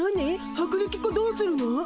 薄力粉どうするの？